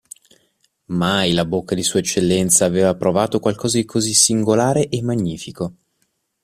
Mai la bocca di Sua Eccellenza aveva provato qualcosa di così singolare e magnifico.